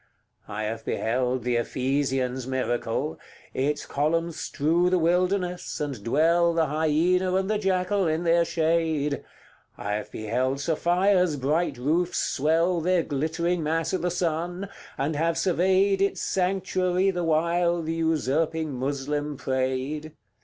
I have beheld the Ephesian's miracle Its columns strew the wilderness, and dwell The hyaena and the jackal in their shade; I have beheld Sophia's bright roofs swell Their glittering mass i' the sun, and have surveyed Its sanctuary the while the usurping Moslem prayed; CLIV.